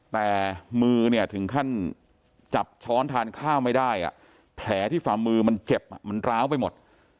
แต่มือเนี่ยถึงขั้นจับช้อนทานข้าวไม่ได้แผลที่ฝ่ามือมันเจ็บมันร้าวไปหมด